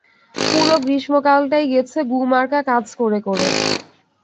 পুরো গ্রীষ্মকাল টাই গেছে গু মার্কা কাজ করে করে।